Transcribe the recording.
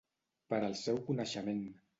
Per al seu coneixement.